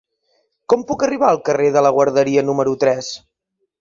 Com puc arribar al carrer de la Guarderia número tres?